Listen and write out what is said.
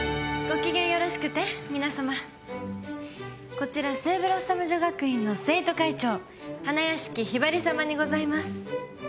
こちら聖ブロッサム女学院の生徒会長花屋敷ひばりさまにございます。